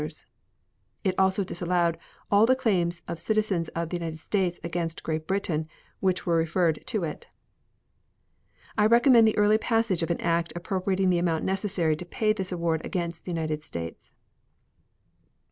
It also disallowed all the claims of citizens of the United States against Great Britain which were referred to it. I recommend the early passage of an act appropriating the amount necessary to pay this award against the United States.